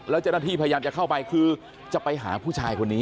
แล้วเจ้าหน้าที่พยายามจะเข้าไปคือจะไปหาผู้ชายคนนี้